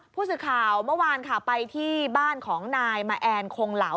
ผู้สื่อข่าวเมื่อวานค่ะไปที่บ้านของนายมาแอนคงเหลา